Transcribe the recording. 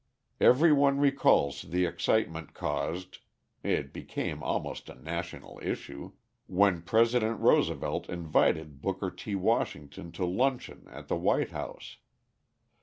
Everyone recalls the excitement caused it became almost a national issue when President Roosevelt invited Booker T. Washington to luncheon at the White House.